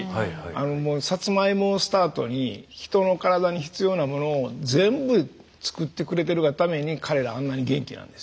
もうサツマイモをスタートにヒトの体に必要なものを全部作ってくれてるがために彼らはあんなに元気なんです。